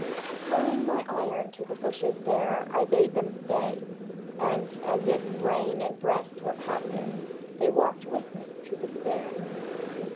... Hurling my iron to the bushes there, I bade them stay. And, as if brain and breast Were passive, they walked with me to the stair.